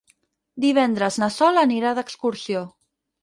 Divendres na Sol anirà d'excursió.